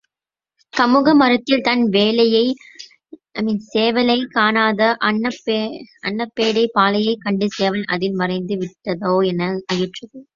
கமுக மரத்தில் தன் சேவலைக் காணாத அன்னப்பேடை பாளையைக் கண்டு சேவல் அதில் மறைந்து விட்டதோ என ஐயுற்றது.